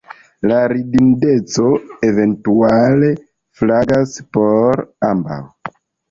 La ridindeco, eventuale, flagas por ambaŭ.